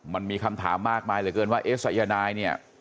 มันมีคำถามมากมายเหลือเกินว่าเอ๊ะสายนายเนี่ย